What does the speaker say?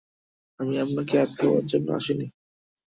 আমি আপনাকে আটকাবার জন্যে আসি নি।